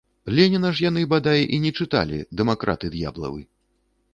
Леніна ж яны, бадай, і не чыталі, дэмакраты д'яблавы!